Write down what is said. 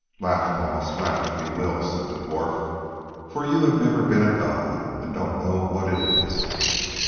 "Laugh, Baas, laugh if you will!" said the dwarf, "for you have never been a god, and don't know what it is.